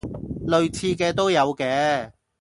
類似嘅都有嘅